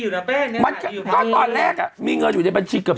อยู่นะแป้งเนี้ยขายดีอยู่พอแม่มีเงินอยู่ในบัญชีเกือบ